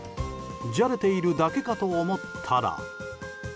じゃれているだけかと思ったら。